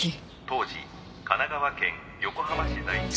「当時神奈川県横浜市在住の」